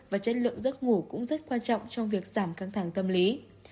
và chất lượng giấc ngủ cũng rất quan trọng trong việc giảm căng thẳng tâm lý